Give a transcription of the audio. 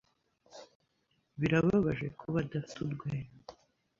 Birababaje kuba adafite urwenya.